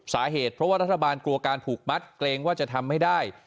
สาเหตุเพราะว่ารัฐบาลกลัวการผูกมัดเกรงว่าจะทำให้ได้